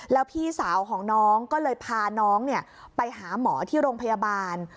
แล้วพี่สาวของน้องก็เลยพาน้องไปหาหมอที่โรงพยาบาล